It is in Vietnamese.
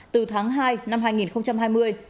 từ tháng hai năm hai nghìn hai mươi